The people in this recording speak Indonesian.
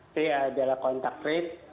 c adalah contact rate